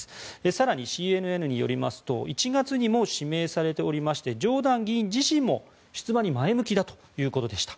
更に、ＣＮＮによりますと１月にも指名されておりましてジョーダン議員自身も出馬に前向きだということでした。